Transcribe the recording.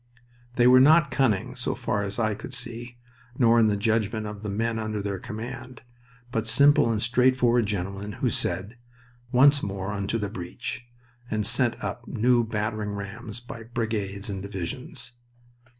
They were not cunning so far as I could see, nor in the judgment of the men under their command, but simple and straightforward gentlemen who said "once more unto the breach," and sent up new battering rams by brigades and divisions.